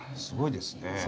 すごいですね。